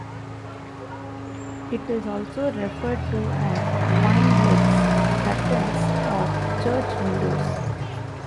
It is also referred to as wine legs, curtains, or church windows.